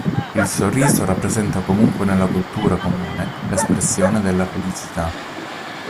Il sorriso rappresenta comunque nella cultura comune l'espressione della felicità.